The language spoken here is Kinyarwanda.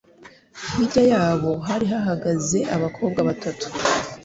Hirya yabo hari hahagaze abakobwa batatu